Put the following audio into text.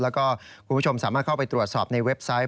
แล้วก็คุณผู้ชมสามารถเข้าไปตรวจสอบในเว็บไซต์